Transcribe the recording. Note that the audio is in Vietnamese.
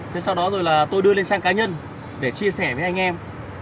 thế sau đó rồi là tôi đưa lên sang cá nhân để chia sẻ với anh em